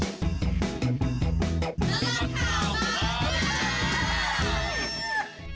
นรกข่าวมาก